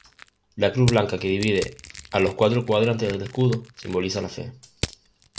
La cruz blanca que divide a los cuatro cuadrantes del escudo simboliza la fe.